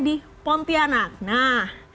di pontianak nah